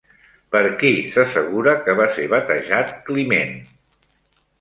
Per qui s'assegura que va ser batejat Climent?